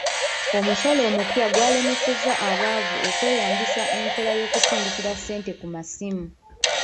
Omusolo omupya gwalemesezza abaavu okweyambisa enkola y'okusindikira ssente ku masimu.